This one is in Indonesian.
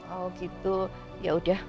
oh gitu yaudah